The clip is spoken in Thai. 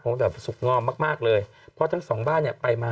ของเขาแบบสุขงอมมากเลยเพราะทั้งสองบ้านเนี้ยไปมา